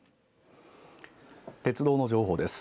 鉄道の情報です。